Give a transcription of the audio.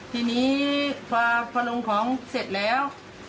ทีนี้พอลงของเสร็จแล้ว